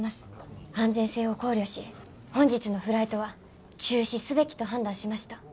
安全性を考慮し本日のフライトは中止すべきと判断しました。